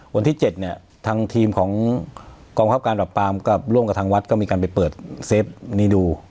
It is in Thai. วันที่๗เนี่ยทางทีมของกองคับการปรับปรามก็ร่วมกับทางวัดก็มีการไปเปิดเซฟนี้ดู